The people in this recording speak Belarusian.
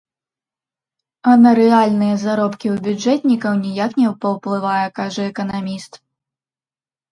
А на рэальныя заробкі ў бюджэтнікаў ніяк не паўплывае, кажа эканаміст.